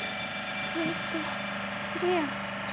クエストクリア。